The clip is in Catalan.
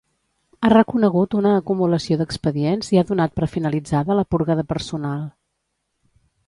Ha reconegut una acumulació d'expedients i ha donat per finalitzada la purga de personal.